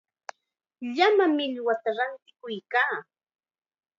Llama millwata rantikuykaa.